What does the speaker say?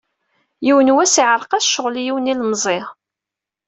Yiwen wass, yeεreq-as ccɣel i yiwen yilemẓi.